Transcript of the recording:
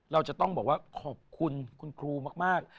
เราจะต้องบอกว่าขอบคุณคุณครูมาก